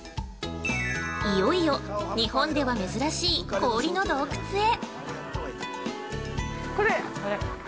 ◆いよいよ、日本では珍しい氷の洞窟へ◆